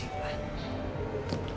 mama harus tenang